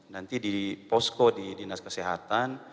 nanti di posko di dinas kesehatan